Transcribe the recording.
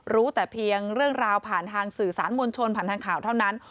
รู้แต่เพียงเรื่องราวผ่านทางสื่อสารมวลชนผ่านทางข่าวเท่านั้น